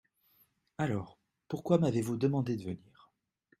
Alors, pourquoi m’avez-vous demandé de venir ?